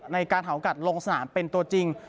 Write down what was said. ในการหาโอกาสลงสนามเป็นตัวจริง